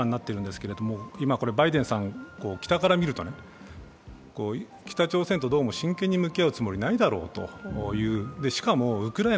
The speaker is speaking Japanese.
今になっているんですけれども、今バイデンさん、北から見ると、北朝鮮とどうも真剣に向き合うつもりがないだろうという。